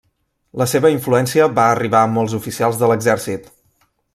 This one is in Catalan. La seva influència va arribar a molts oficials de l'exèrcit.